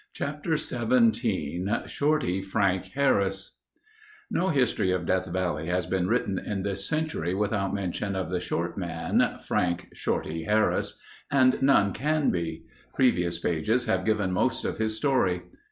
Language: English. Chapter XVII Shorty Frank Harris No history of Death Valley has been written in this century without mention of the Short Man—Frank (Shorty) Harris—and none can be. Previous pages have given most of his story.